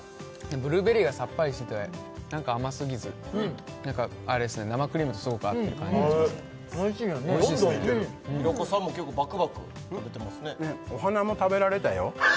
ブルーベリーがさっぱりしてて何か甘すぎず何かあれっすね生クリームとすごく合ってる感じがしますねおいしいよねおいしいですね平子さんも結構バクバク食べてますねお花も食べられたよ